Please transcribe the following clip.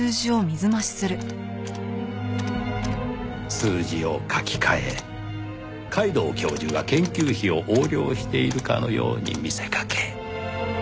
数字を書き換え皆藤教授が研究費を横領しているかのように見せかけ。